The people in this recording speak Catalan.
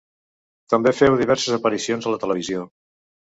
També féu diverses aparicions a la televisió.